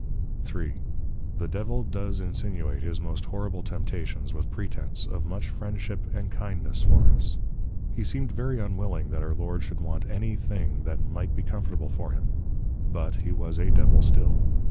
_ III. The Devil does insinuate his most Horrible Temptations, with pretence, of much Friendship and Kindness for us. He seemed very unwilling that our Lord should want any thing that might be comfortable for him; but, he was a Devil still!